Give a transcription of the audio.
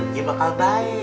dia bakal baik